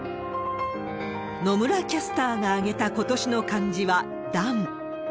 野村キャスターが挙げた今年の漢字は、弾。